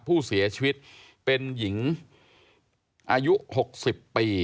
ผู้เสียชีวิตเป็นหญิงอายุ๖๐ปี